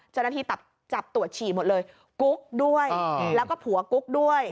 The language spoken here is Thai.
เจ้าหน้าที่จับตรวจฉี่หมดเลยกุ๊กด้วยแล้วก็ผัวกุ๊กด้วย